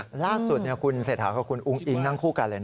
ล่าสุดคุณเศรษฐากับคุณอุ้งอิ๊งนั่งคู่กันเลยนะ